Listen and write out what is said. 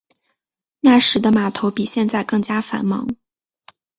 那时的码头比现在更加繁忙。